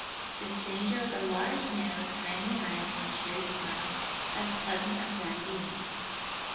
The stranger was a large man with kindly eyes and a cheery smile, as pleasant as Raggedy Ann's.